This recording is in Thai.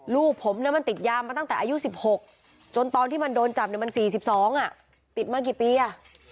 ลูกผมเนี่ยมันติดยามาตั้งแต่อายุ๑๖จนตอนที่มันโดนจับมัน๔๒ติดมากี่ปีอ่ะ